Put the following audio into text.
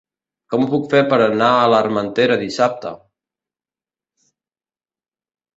Com ho puc fer per anar a l'Armentera dissabte?